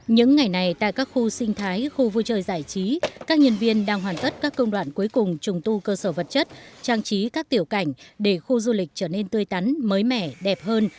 những ngày này tại các khu sinh thái khu vui chơi giải trí các nhân viên đang hoàn tất các công đoạn cuối cùng trùng tu cơ sở vật chất trang trí các tiểu cảnh để khu du lịch trở nên tươi tắn mới mẻ đẹp hơn